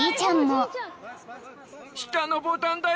下のボタンだよ。